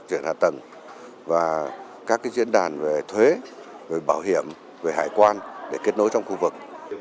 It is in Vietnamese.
triển hạ tầng và các diễn đàn về thuế về bảo hiểm về hải quan để kết nối trong khu vực